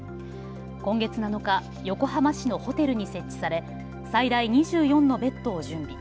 今月７日、横浜市のホテルに設置され最大２４のベッドを準備。